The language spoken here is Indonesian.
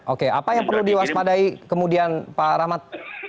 oke apa yang perlu diwaspadai kemudian pak rahmat